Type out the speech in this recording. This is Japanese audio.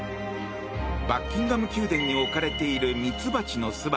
バッキンガム宮殿に置かれているミツバチの巣箱。